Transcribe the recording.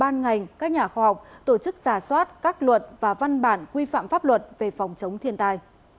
ban ngành các nhà khoa học tổ chức giả soát các luật và văn bản quy phạm pháp luật về phòng chống thiên tai